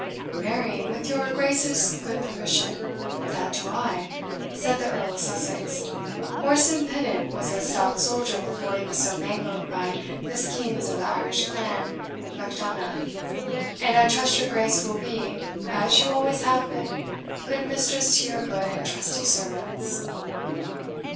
"Marry, with Your Grace's good permission, that do I," said the Earl of Sussex. "Orson Pinnit was a stout soldier before he was so mangled by the skenes of the Irish clan MacDonough; and I trust your Grace will be, as you always have been, good mistress to your good and trusty servants."